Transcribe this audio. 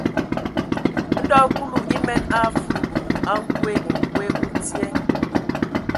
Ndɔ Kulu emen a afudubu a nkwe: nkwe o dzyee.